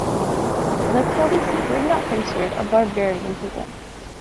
The Celtici were not considered a barbarian people.